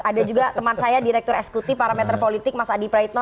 ada juga teman saya direktur eskuti parameter politik mas adi praitno